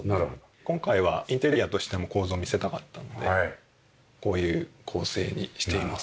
今回はインテリアとしても構造を見せたかったのでこういう構成にしています。